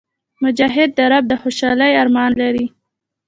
مجاهد د رب د خوشحالۍ ارمان لري.